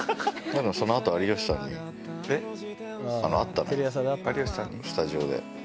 そのあと有吉さんに会ったのよスタジオで。